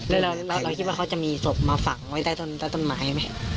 แล้วเราคิดว่าเขาจะมีศพมาฝังไว้ใต้ต้นไม้ไหม